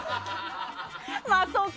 まあ、そうか。